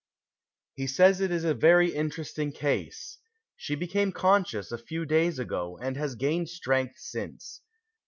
He says that it is a very interesting case. She became conscious a few days ago, and has gained strength since.